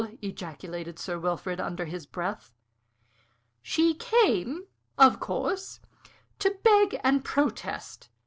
ejaculated Sir Wilfrid, under his breath. "She came, of course, to beg and protest.